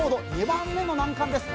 ２番目の難関です。